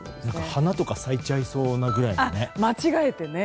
花とか咲いちゃいそうなぐらいですね。